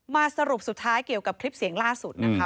สรุปสุดท้ายเกี่ยวกับคลิปเสียงล่าสุดนะคะ